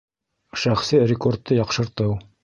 Шәхси рекордты яҡшыртыу